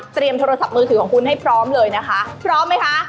โทรศัพท์มือถือของคุณให้พร้อมเลยนะคะพร้อมไหมคะ